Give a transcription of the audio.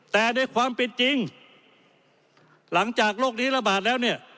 แต่ในความเป็นจริงหลังจากโรคนี้ระบาดแล้วเนี่ย